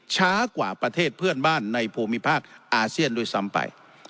ช้ากว่าประเทศเพื่อนบ้านในภูมิภาคอาเซียนด้วยซ้ำไป